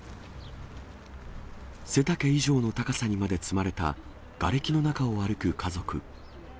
背丈以上の高さにまで積まれた、がれきの中を歩く家族。